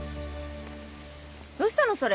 どうしたのそれ。